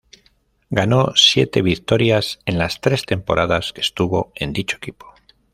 Ganó siete victorias en las tres temporadas que estuvo en dicho equipo.